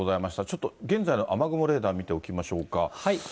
ちょっと現在の雨雲レーダー見ておきましょうか。